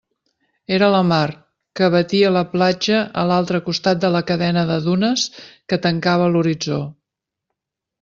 Era la mar, que batia la platja a l'altre costat de la cadena de dunes que tancava l'horitzó.